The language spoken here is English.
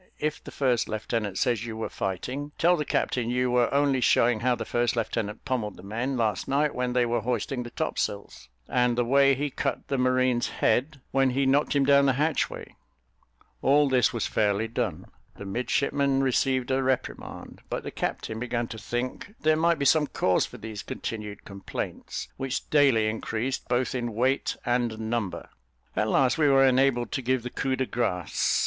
If the first lieutenant says you were fighting, tell the captain you were only showing how the first lieutenant pummelled the men last night when they were hoisting the topsails, and the way he cut the marine's head, when he knocked him down the hatchway." All this was fairly done the midshipmen received a reprimand, but the captain began to think there might be some cause for these continued complaints, which daily increased both in weight and number. At last we were enabled to give the coup de grace.